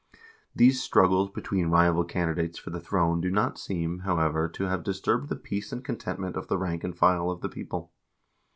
These struggles between rival candidates for the throne do not seem, however, to have disturbed the peace and contentment of the rank and file of the people.